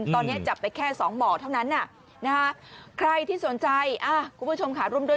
ตอนนี้จับไปแค่สองหมอเท่านั้น